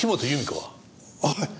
ああ。